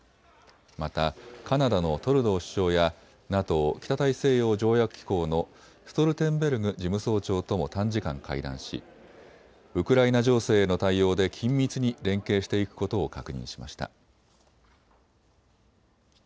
またカナダのトルドー首相やＮＡＴＯ・北大西洋条約機構のストルテンベルグ事務総長とも短時間、会談しウクライナ情勢への対応で緊密に連携していくことを確認しました。